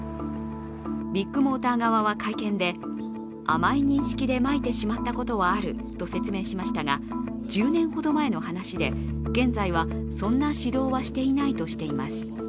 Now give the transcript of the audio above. ビッグモーター側は会見で甘い認識でまいてしまったことはあると説明しましたが１０年ほど前の話で現在はそんな指導はしていないとしています。